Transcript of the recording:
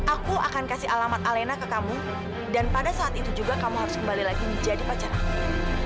aku akan kasih alamat alena ke kamu dan pada saat itu juga kamu harus kembali lagi menjadi pacar aku